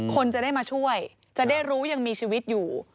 คนจะได้มาช่วยจะได้รู้ยังมีชีวิตอยู่